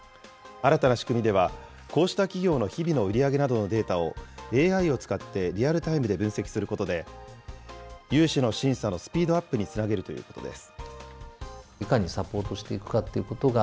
新たな仕組みでは、こうした企業の日々の売り上げなどのデータを、ＡＩを使ってリアルタイムで分析することで、融資の審査のスピードアップにつなげるということです。